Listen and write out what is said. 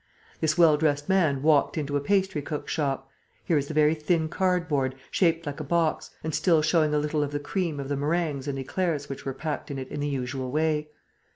This well dressed man walked into a pastry cook's shop. Here is the very thin cardboard, shaped like a box, and still showing a little of the cream of the meringues and éclairs which were packed in it in the usual way.